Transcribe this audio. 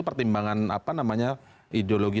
pertimbangan apa namanya ideologi